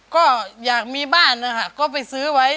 ก็อยากมีบ้านนะคะก็ไปซื้อไว้